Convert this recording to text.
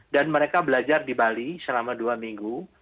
dan mereka belajar di bali selama dua minggu